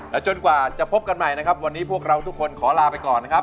จนกว่าจะพบกันใหม่นะครับวันนี้พวกเราทุกคนขอลาไปก่อนนะครับ